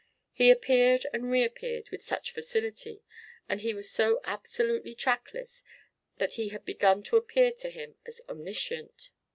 He appeared and reappeared with such facility, and he was so absolutely trackless that he had begun to appear to him as omniscient.